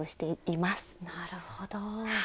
なるほど。